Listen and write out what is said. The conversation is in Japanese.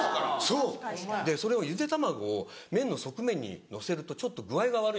そうそれをゆで卵を麺の側面にのせるとちょっと具合が悪いんです。